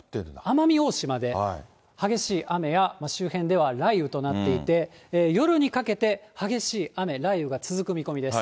奄美大島で激しい雨や周辺では雷雨となっていて、夜にかけて激しい雨、雷雨が続く見込みです。